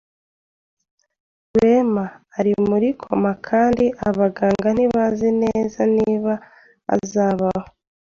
Rwema ari muri koma kandi abaganga ntibazi neza niba azabaho.